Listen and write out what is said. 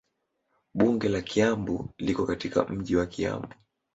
Bunge la Kiambu liko katika mji wa Kiambu.